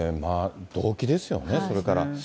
動機ですよね、それから。